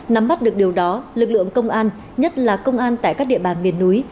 nắm bắt được điều đó lực lượng công an nhất là công an tại các địa bàn miền núi